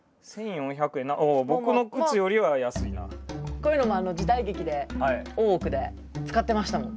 こういうのも時代劇で「大奥」で使ってましたもん。